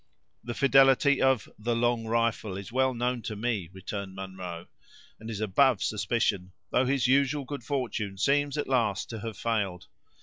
"The fidelity of 'The Long Rifle' is well known to me," returned Munro, "and is above suspicion; though his usual good fortune seems, at last, to have failed.